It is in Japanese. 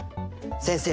先生